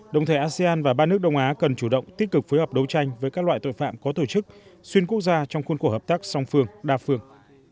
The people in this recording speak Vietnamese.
đồng thời asean và ba nước đông á cần chủ động tích cực phối hợp đấu tranh với các loại tội phạm có tổ chức xuyên quốc gia trong khuôn cổ hợp tác song phương đa phương